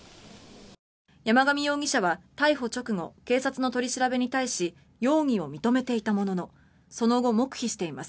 山上容疑者は逮捕直後警察の取り調べに対し容疑を認めていたもののその後、黙秘しています。